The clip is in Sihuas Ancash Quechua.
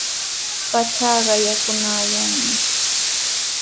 Pachaqa quyaykannami.